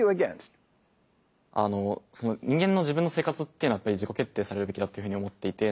人間の自分の生活っていうのはやっぱり自己決定されるべきだっていうふうに思っていて。